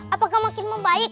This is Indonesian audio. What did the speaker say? apakah makin membaik